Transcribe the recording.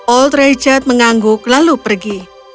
old richard mengangguk lalu pergi